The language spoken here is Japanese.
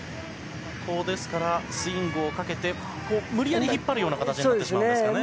ですからスイングをかけて無理やり引っ張るような形になってるんですかね。